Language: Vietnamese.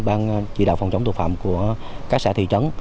ban chỉ đạo phòng chống tội phạm của các xã thị trấn